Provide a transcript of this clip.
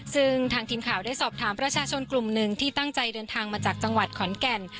ซึ่งทางทีมข่าวได้สอบถามประชาชนกลุ่มหนึ่งที่ตั้งใจเดินทางมาจากจังหวัดขอนแก่น